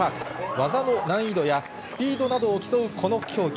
技の難易度やスピードなどを競うこの競技。